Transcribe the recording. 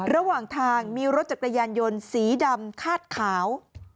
ระหว่างทางมีรถจักรยานยนต์สีดำคาดขาว